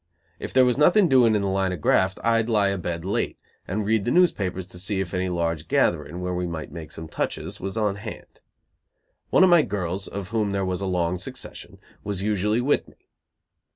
If there was nothing doing in the line of graft, I'd lie abed late, and read the newspapers to see if any large gathering, where we might make some touches, was on hand. One of my girls, of whom there was a long succession, was usually with me.